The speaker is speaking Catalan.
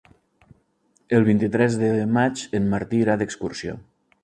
El vint-i-tres de maig en Martí irà d'excursió.